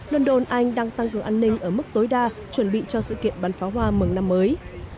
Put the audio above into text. london anh đang tăng cường an ninh ở mức tối đa chuẩn bị cho sự kiện bán pháo hoa mừng năm mới